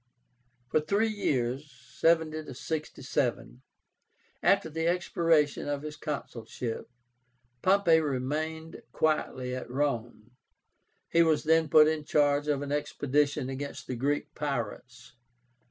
For three years (70 67) after the expiration of his consulship, Pompey remained quietly at Rome. He was then put in charge of an expedition against the Greek pirates.